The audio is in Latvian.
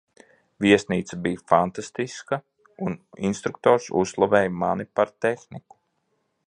Viesnīca bija fantastiska, un instruktors uzslavēja mani par tehniku.